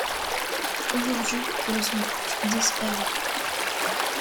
Aujourd'hui, elles ont toutes disparu.